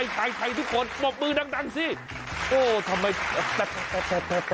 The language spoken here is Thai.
ช่วยด่า